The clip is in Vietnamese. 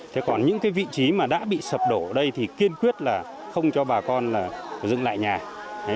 thế còn những cái vị trí mà đã bị sập đổ ở đây thì kiên quyết là không cho bà con dừng lại nhà